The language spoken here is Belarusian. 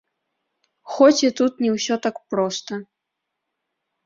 Хоць і тут не ўсё так проста.